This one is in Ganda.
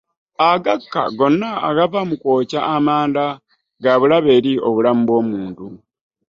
Agakka gonna agava mu kwokya amanda ga bulabe eri obulamu bw’omuntu.